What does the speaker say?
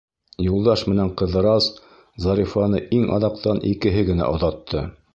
Юлдаш менән Ҡыҙырас Зарифаны иң аҙаҡтан икеһе генә оҙатты.